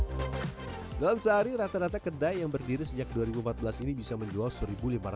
hai dalam sehari rata rata kedai yang berdiri sejak dua ribu empat belas ini bisa menjual